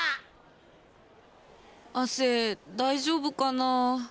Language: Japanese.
亜生大丈夫かな。